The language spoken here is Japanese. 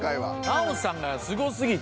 奈緒さんがすごすぎて。